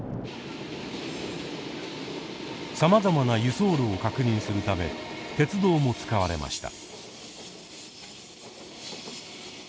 さまざまな輸送路を確認するため鉄道も使われました。